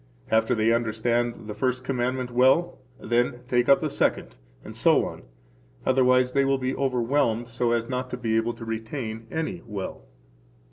After they understand the First Commandment well, then take up the Second, and so on, otherwise they will be overwhelmed, so as not to be able to retain any well.